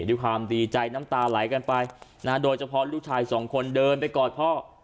ด้วยความดีใจน้ำตาไหลกันไปโดยเฉพาะลูกชายสองคนเดินไปกอดพ่อ